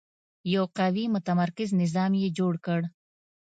یو قوي متمرکز نظام یې جوړ کړ.